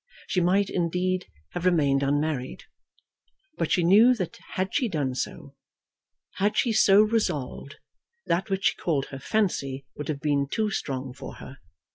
She might, indeed, have remained unmarried! But she knew that had she done so, had she so resolved, that which she called her fancy would have been too strong for her.